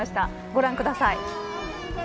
ご覧ください。